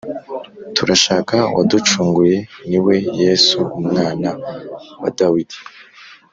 Turashaka Uwaducunguye: Ni We Yesu Umwana wa Dawidi.